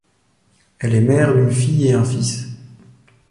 Elle est mère d'une fille et un fils.